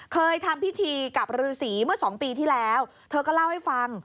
เคยทำพิธีกับฤษีเมื่อสองปีที่แล้วเธอก็เล่าให้ฟัง